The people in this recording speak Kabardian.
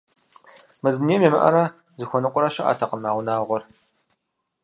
Мы дунейм ямыӀэрэ зыхуэныкъуэрэ щыӀэтэкъым а унагъуэр.